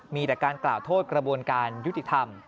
มีแต่การกล่าวโทษกระบวนการยุติธรรม